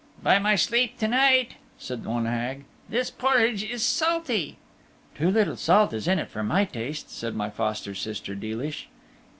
"By my sleep to night," said one Hag, "this porridge is salty." "Too little salt is in it for my taste," said my foster sister Deelish.